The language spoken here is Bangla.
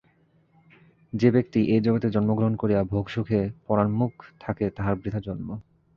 যে ব্যক্তি এই জগতে জন্মগ্রহণ করিয়া ভোগসুখে পরাঙ্মুখ থাকে তাহার বৃথা জন্ম।